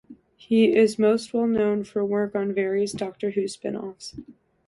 He is most well known for work on various Doctor Who spin-offs.